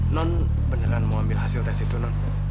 non penyerahan mau ambil hasil tes itu non